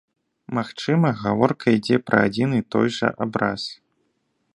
Магчыма, гаворка ідзе пра адзін і той жа абраз.